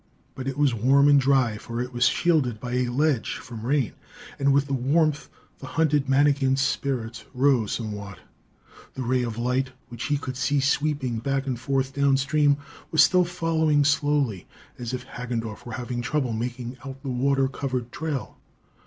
But it was warm and dry, for it was shielded by a ledge from rain, and with the warmth the hunted manikin's spirits rose somewhat. The ray of light, which he could see sweeping back and forth downstream, was still following slowly, as if Hagendorff were having trouble making out the water covered trail.